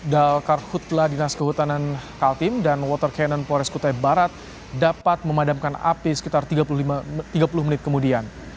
dal karhutla dinas kehutanan kaltim dan water cannon pores kutai barat dapat memadamkan api sekitar tiga puluh menit kemudian